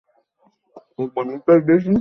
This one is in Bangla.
কেউ কাউকে এতো ভালোবাসা কীভাবে ভাসতে পারে?